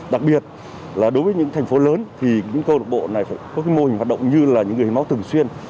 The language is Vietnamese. đặc biệt là đối với những thành phố lớn thì những cơ lộc bộ này có mô hình hoạt động như là những người hiến máu thường xuyên